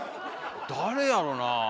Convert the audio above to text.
誰やろなあ？